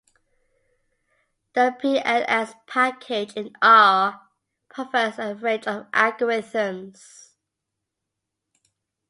The 'pls' package in R provides a range of algorithms.